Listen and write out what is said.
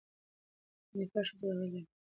د نېپال ښځې راغلې وې.